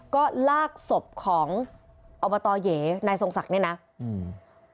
ก็ลากศพของอบตเหยนายทรงศักดิ์เนี่ยนะอืม